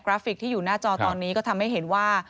ฟิกที่อยู่หน้าจอตอนนี้ก็ทำให้เห็นว่า